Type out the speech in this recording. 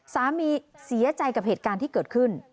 สามีเสียใจกับเหตุการณ์ที่เกิดขึ้น